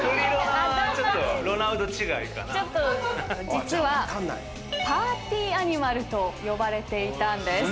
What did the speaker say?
実はパーティーアニマルと呼ばれていたんです。